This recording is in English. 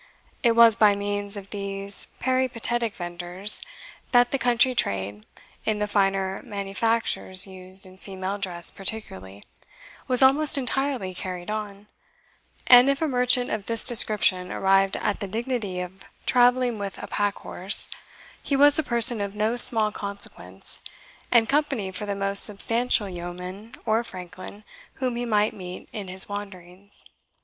It was by means of these peripatetic venders that the country trade, in the finer manufactures used in female dress particularly, was almost entirely carried on; and if a merchant of this description arrived at the dignity of travelling with a pack horse, he was a person of no small consequence, and company for the most substantial yeoman or franklin whom he might meet in his wanderings.